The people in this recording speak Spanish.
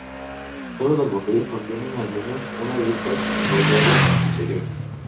Todas las botellas contienen al menos una de estas guayabas en su interior.